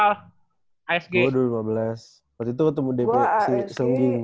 nah lu berarti sekarang tahun ini sebelum ada corona ini kan sam lu pindah lagi ke scorpio kan